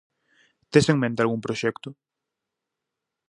Tes en mente algún proxecto?